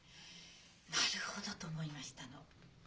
「なるほど」と思いましたの。